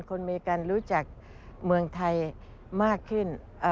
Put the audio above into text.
อเมริกันรู้จักเมืองไทยมากขึ้น